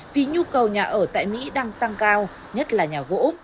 vì nhu cầu nhà ở tại mỹ đang tăng cao nhất là nhà gỗ